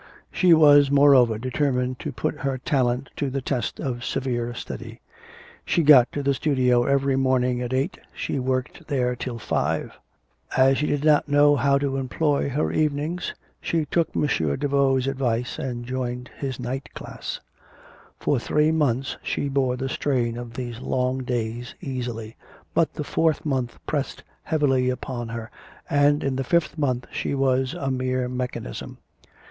She was, moreover, determined to put her talent to the test of severe study. She got to the studio every morning at eight, she worked there till five. As she did not know how to employ her evenings, she took M. Daveau's advice and joined his night class. For three months she bore the strain of these long days easily; but the fourth month pressed heavily upon her, and in the fifth month she was a mere mechanism.